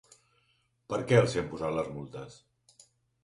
Per què els hi han posat les multes?